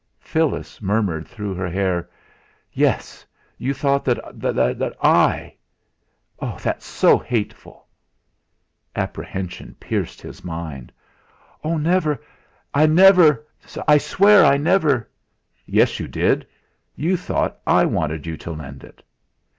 Phyllis murmured through her hair: "Yes! You thought that I that's what's so hateful!" Apprehension pierced his mind. "Oh! I never I swear I never " "Yes, you did; you thought I wanted you to lend it."